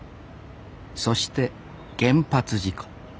そして原発事故。